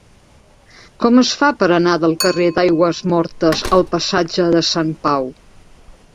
Com es fa per anar del carrer d'Aigüesmortes al passatge de Sant Pau?